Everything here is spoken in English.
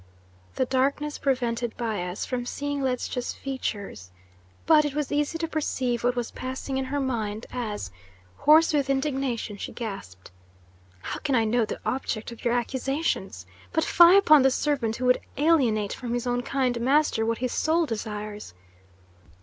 The darkness prevented Bias from seeing Ledscha's features, but it was easy to perceive what was passing in her mind as, hoarse with indignation, she gasped: "How can I know the object of your accusations? but fie upon the servant who would alienate from his own kind master what his soul desires!"